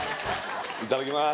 いただきます